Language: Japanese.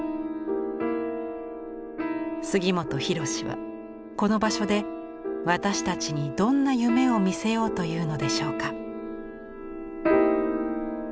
杉本博司はこの場所で私たちにどんな夢を見せようというのでしょうか。